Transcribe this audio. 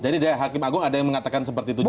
jadi dia hakim agung ada yang mengatakan seperti itu juga